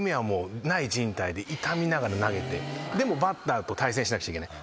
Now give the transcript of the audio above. でもバッターと対戦しなくちゃいけない。